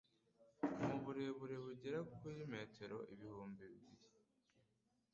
mu burebure bugera kuri metero ibihumbi biiri